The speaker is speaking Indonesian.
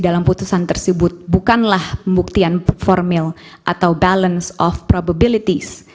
dalam putusan tersebut bukanlah pembuktian formil atau balance of probabilities